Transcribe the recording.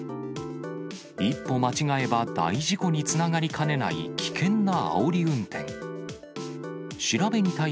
一歩間違えば大事故につながりかねない、危険なあおり運転。